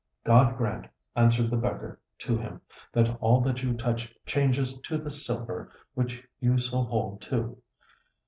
'God grant,' answered the beggar to him, 'that all that you touch changes to this silver which you so hold to.'